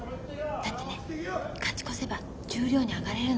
だってね勝ち越せば十両に上がれるの。